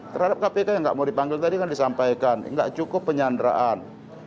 terhadap kpk yang nggak mau dipanggil tadi kan disampaikan nggak cukup penyanderaan